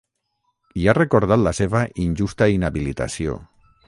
I ha recordat la seva “injusta inhabilitació”.